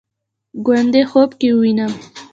ګوندې خوب کې ووینمه